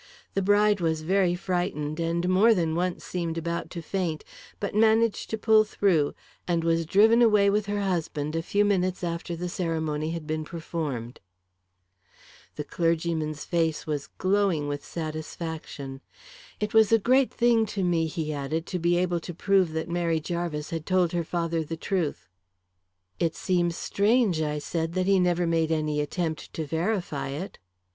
The bride was very frightened and more than once seemed about to faint, but managed to pull through, and was driven away with her husband a few minutes after the ceremony has been performed." The clergyman's face was glowing with satisfaction. "It was a great thing to me," he added, "to be able to prove that Mary Jarvis had told her father the truth." "It seems strange," I said, "that he never made any attempt to verify it."